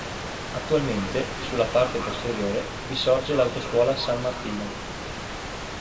Attualmente sulla parte posteriore vi sorge l'autoscuola San Martino.